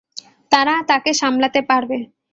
তারা তাকে সামলাতে পারবে।